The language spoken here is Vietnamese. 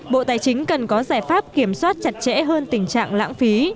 bộ tài chính cần có giải pháp kiểm soát chặt chẽ hơn tình trạng lãng phí